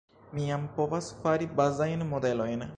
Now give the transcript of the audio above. mi jam povas fari bazajn modelojn